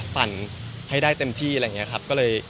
ปั่นให้ได้เต็มที่อะไรอย่างนี้ครับ